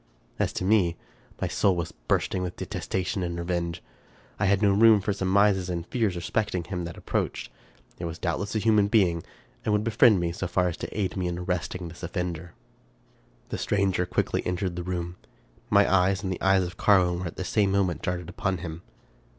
As to me, my soul was bursting with detestation and revenge. I had no room for surmises and fears respect ing him that approached. It was doubtless a human being, and would befriend me so far as to aid me in arresting this offender. The stranger quickly entered the room. My eyes and the eyes of Carwin were at the same moment darted upon him.